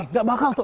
nggak bakal toh